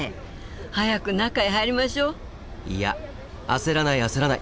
早く中へ入りましょう！いや焦らない焦らない。